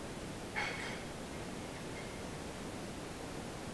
Od studentských časů byl veřejně a pak i politicky aktivní.